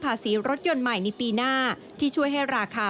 สีรถยนต์ใหม่ในปีหน้าที่ช่วยให้ราคา